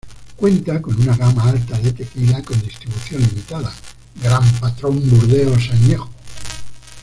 Cuenta con una gama alta de tequila con distribución limitada "Gran Patrón Burdeos Añejo".